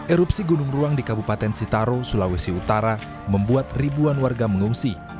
erupsi gunung ruang di kabupaten sitaro sulawesi utara membuat ribuan warga mengungsi